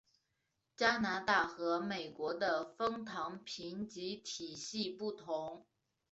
加拿大和美国的枫糖评级体系不同。